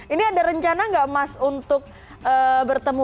ini ada rencana nggak mas untuk bertemu